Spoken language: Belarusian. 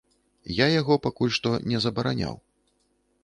Я яго пакуль што не забараняў.